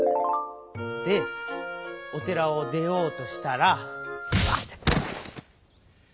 でお寺を出ようとしたらいてっ！